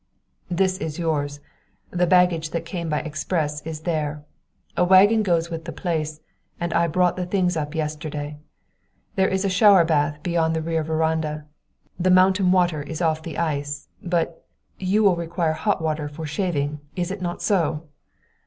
"This is yours the baggage that came by express is there. A wagon goes with the place, and I brought the things up yesterday. There is a shower bath beyond the rear veranda. The mountain water is off the ice, but you will require hot water for shaving is it not so?"